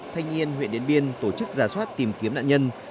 thanh yên huyện điện biên tổ chức giả soát tìm kiếm nạn nhân